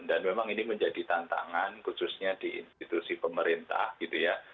dan memang ini menjadi tantangan khususnya di institusi pemerintah gitu ya